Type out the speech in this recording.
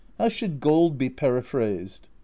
How should gold be periphrased ?